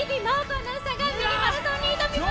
アナウンサーがマラソンに挑みます